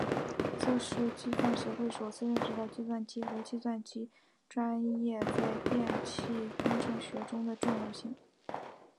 这是专业协会首次认识到计算机和计算机技术在电气工程学中的重要性。